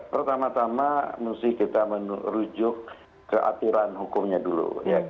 pertama tama mesti kita menurujuk keaturan hukumnya dulu